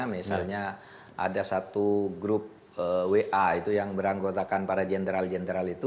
misalnya ada satu grup wa itu yang beranggotakan para jenderal jenderal itu